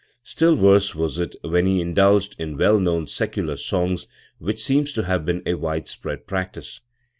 Still worse was it when he indulged in well known secular songs, which seems to have been a wide spread practice.